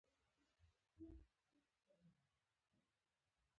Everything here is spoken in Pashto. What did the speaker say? ټول موجود شواهد ښیي، چې ښکاریان او خوراک لټونکي انسانان پخوا موجود وو.